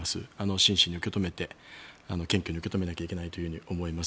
真摯に受け止めて謙虚に受け止めなきゃいけないと思います。